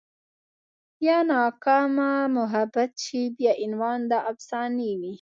يا ناکامه محبت شي بيا عنوان د افسانې وي